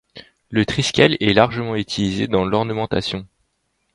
Le triskel est largement utilisé dans l'ornementation.